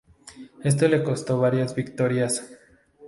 Esto le costó varias victorias.